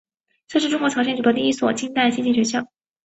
这是中国朝鲜族的第一所近代新型学校。